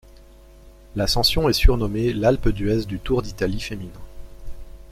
L'ascension est surnommée l'Alpe d'Huez du Tour d'Italie féminin.